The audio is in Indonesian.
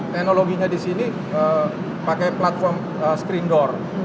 teknologinya di sini pakai platform screen door